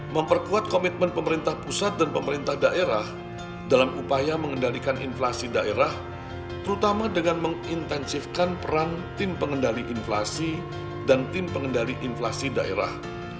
memperkuat komitmen pemerintah pusat dan pemerintah daerah dalam upaya mengendalikan inflasi daerah terutama dengan mengintensifkan peran tim pengendali inflasi dan tim pengendali inflasi daerah